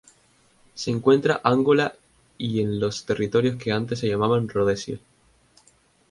Se encuentra Angola y en los territorios que antes se llamaban Rodesia.